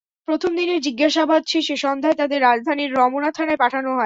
প্রথম দিনের জিজ্ঞাসাবাদ শেষে সন্ধ্যায় তাঁদের রাজধানীর রমনা থানায় পাঠানো হয়।